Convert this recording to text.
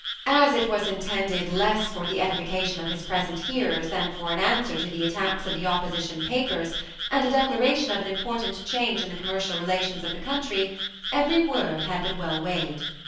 As it was intended less for the edification of his present hearers, than for an answer to the attacks of the opposition papers, and a declaration of an important change in the commercial relations of the country, every word had been well weighed.